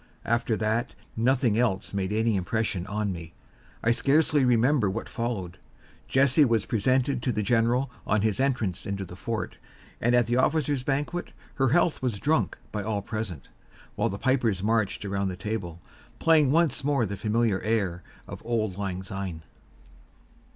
After that, nothing else made any impression on me. I scarcely remember what followed. Jessie was presented to the general on his entrance into the fort, and at the officers' banquet her health was drunk by all present, while the pipers marched around the table, playing once more the familiar air of "Auld Lang Syne."